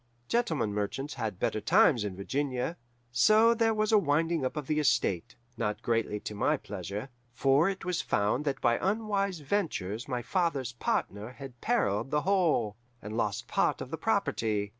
Gentlemen merchants had better times in Virginia. So there was a winding up of the estate, not greatly to my pleasure; for it was found that by unwise ventures my father's partner had perilled the whole, and lost part of the property.